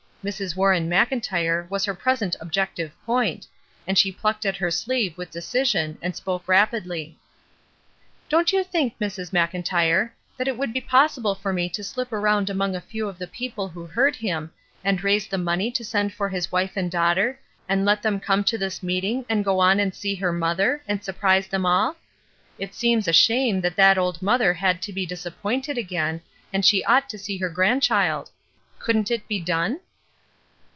Mrs. Warren Mclntyre was her present ob jective point, and she plucked at her sleeve with decision and spoke rapidly :— ''Don't you think, Mrs. Mclntyre, that it would be possible for me to slip around among a few of the people who heard him, and raise the money to send for his wife and daughter, and let them come to this meeting and go on and see her mother, and surprise them all? It seems a shame that that old mother had 382 ESTER RIED'S NAMESAKE to be disappointed again, and she ought to see her grandchild. Couldn't it be done?''